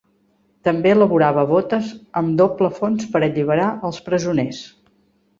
També elaborava botes amb doble fons per alliberar els presoners.